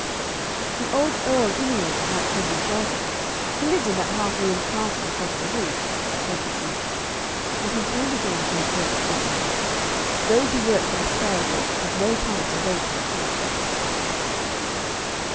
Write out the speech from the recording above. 'The old Earl Yniol might give you shelter. He lives in that half ruined castle across the bridge,' said the smith. And he turned again to his work, muttering, 'Those who work for the Sparrow hawk have no time to waste in talk.'